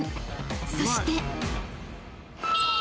［そして］